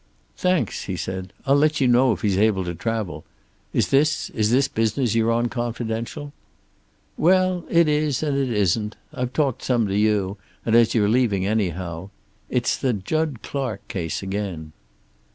"Thanks," he said. "I'll let you know if he's able to travel. Is this is this business you're on confidential?" "Well, it is and it isn't. I've talked some to you, and as you're leaving anyhow it's the Jud Clark case again."